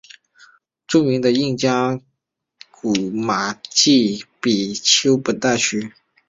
著名的印加古迹马丘比丘位于本大区。